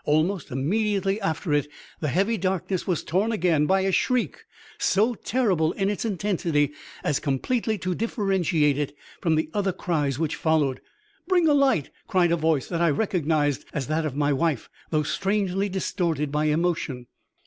Almost immediately after it the heavy darkness was torn again by a shriek so terrible in its intensity as completely to differentiate it from the other cries which followed. "Bring a light!" cried a voice that I recognized as that of my wife, though strangely distorted by emotion.